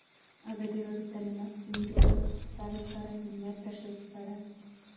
ازادي راډیو د تعلیمات د نجونو لپاره ستر اهميت تشریح کړی.